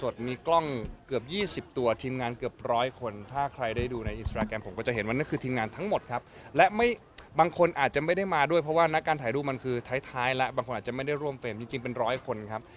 ถ่ายรูปมันคือท้ายแล้วบางคนอาจจะไม่ได้ร่วมเฟรมจริงเป็น๑๐๐คนครับ